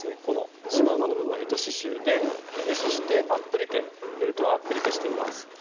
このシマウマの部分は糸刺しゅうでそしてアップリケフェルトはアップリケしています。